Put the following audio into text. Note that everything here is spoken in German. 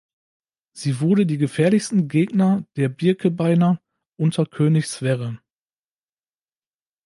Sie wurde die gefährlichsten Gegner der Birkebeiner unter König Sverre.